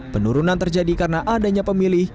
penurunan terjadi karena adanya pemilih